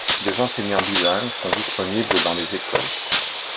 Des enseignants bilingues sont disponibles dans les écoles.